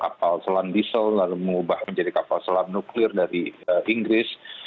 kapal selam diesel lalu mengubah menjadi kapal selam nuklir dari inggris